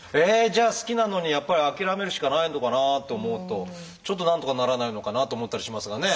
じゃあ好きなのにやっぱり諦めるしかないのかなと思うとちょっとなんとかならないのかなと思ったりしますがね。